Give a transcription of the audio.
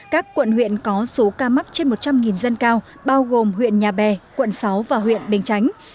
các quận huyện có số ca mắc trên một trăm linh dân cao bao gồm huyện nhà bè quận sáu và huyện bình chánh